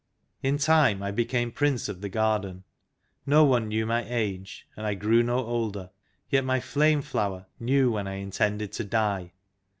In time I became Prince of the Garden: no one knew my age, and I grew no older ; yet my Flame Flower knew when I intended to die.